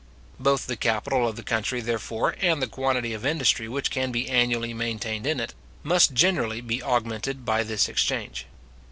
Both the capital of the country, therefore, and the quantity of industry which can be annually maintained in it, must generally be augmented by this exchange.